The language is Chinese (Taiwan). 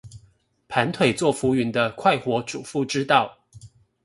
盤腿坐浮雲的快活主婦之道